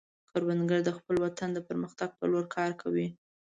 کروندګر د خپل وطن د پرمختګ په لور کار کوي